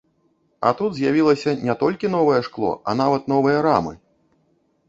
А тут з'явілася не толькі новае шкло, а нават новыя рамы!